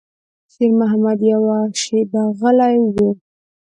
شېرمحمد يوه شېبه غلی و.